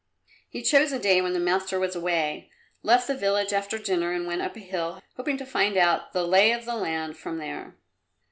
He chose a day when the master was away, left the village after dinner and went up a hill, hoping to find out the lie of the land from there.